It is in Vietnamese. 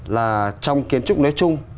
là trong kiến trúc nếp chung